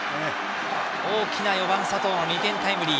大きな４番、佐藤の２点タイムリー。